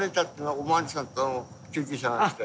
おまわりさんと救急車が来て。